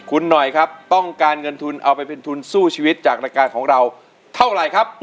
คุณหน่อยครับต้องการเงินทุนเอาไปเป็นทุนสู้ชีวิตจากรายการของเราเท่าไหร่ครับ